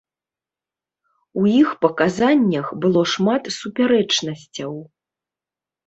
У іх паказаннях было шмат супярэчнасцяў.